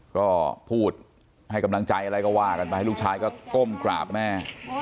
ก็พูดให้กำลังใจอะไรก็ว่ากันไปลูกชายก็ก้มกราบแม่